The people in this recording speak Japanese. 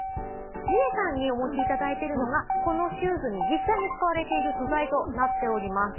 みれさんにお持ち頂いているのがこのシューズに実際に使われている素材となっております。